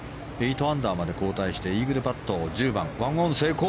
８アンダーまで後退してイーグルパット１オン成功。